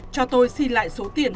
cho tôi xin lại số tiền